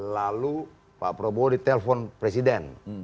lalu pak prabowo ditelepon presiden